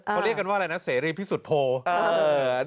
เขาเรียกกันว่าอะไรนะเสรีพิสุทธโภ